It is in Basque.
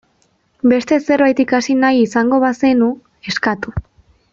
Beste zerbait ikasi nahi izango bazenu, eskatu.